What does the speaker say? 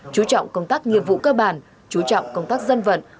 chú trọng công tác nhiệm vụ cơ bản chú trọng công tác dân vận